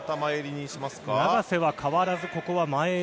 永瀬は変わらず、ここは前襟。